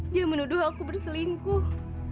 dia menuduh aku berselingkuh